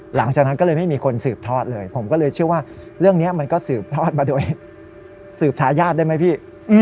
หลังจากนั้นก็เลยไม่มีคนสืบทอดเลยผมก็เลยเชื่อว่าเรื่องนี้มันก็สืบทอดมาโดยสืบทายาทได้ไหมพี่